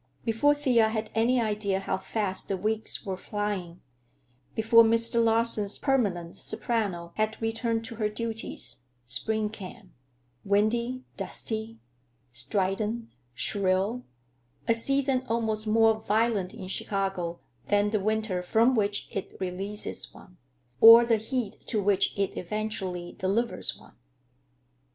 Before Thea had any idea how fast the weeks were flying, before Mr. Larsen's "permanent" soprano had returned to her duties, spring came; windy, dusty, strident, shrill; a season almost more violent in Chicago than the winter from which it releases one, or the heat to which it eventually delivers one.